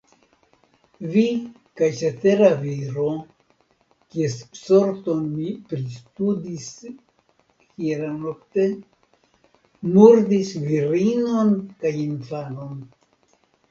Vi kaj cetera viro, kies sorton mi pristudis hieraŭnokte, murdis virinon kaj infanon.